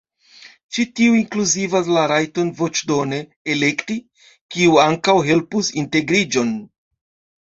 Ĉi tio inkluzivas la rajton voĉdone elekti, kiu ankaŭ helpus integriĝon.